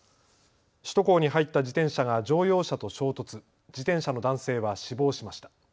首都高に入った自転車が乗用車と衝突、自転車の男性は死亡しました。